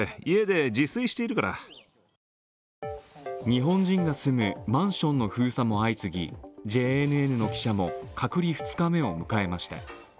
日本人が住むマンションの封鎖も相次ぎ、ＪＮＮの記者も隔離２日目を迎えました。